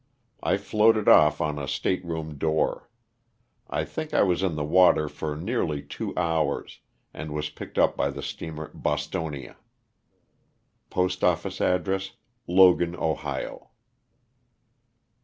I floated off on a stateroom door. I think I was in the water for nearly two hours, and was picked up by the steamer "Bostonia.'' Postoffice address, Logan, Ohio.